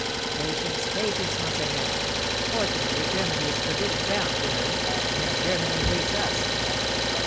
"Patience, patience, monseigneur! Fortunately Germany is forbidden ground to her, and Germany awaits us."